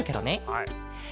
はい。